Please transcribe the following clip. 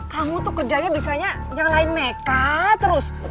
kamu tuh kerjanya misalnya yang lain nekat terus